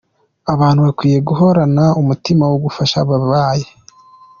Abantu bakwiye guhorana umutima wo gufasha ababaye.